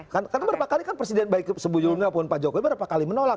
karena berapa kali kan presiden baik sebelumnya pun pak jokowi berapa kali menolak